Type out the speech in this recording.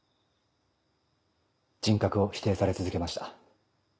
人格を否定され続けました。